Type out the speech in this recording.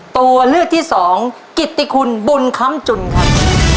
ตัวเลือกที่สองกิตติคุณบุญคำจุนครับ